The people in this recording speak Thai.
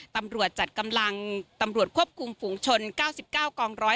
ตำรวจจัดกำลังตำรวจควบคุมฝุงชน๙๙กองร้อย